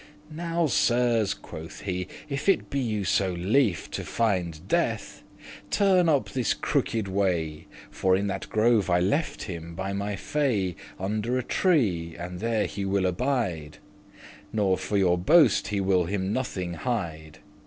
"Now, Sirs," quoth he, "if it be you so lief* *desire To finde Death, turn up this crooked way, For in that grove I left him, by my fay, Under a tree, and there he will abide; Nor for your boast he will him nothing hide.